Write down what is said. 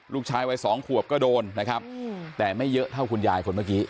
ลูกชายวัยสองขวบก็โดนนะครับแต่ไม่เยอะเท่าคุณยายคนเมื่อกี้